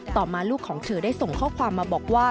ต่อมาลูกของเธอได้ส่งข้อความมาบอกว่า